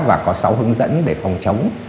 và có sáu hướng dẫn để phòng chống